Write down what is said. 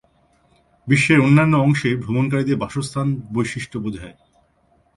বিশ্বের অন্যান্য অংশে ভ্রমণকারীদের বাসস্থান বৈশিষ্ট্য বোঝায়।